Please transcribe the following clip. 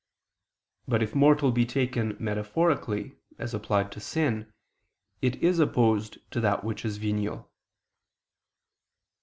But if mortal be taken metaphorically, as applied to sin, it is opposed to that which is venial.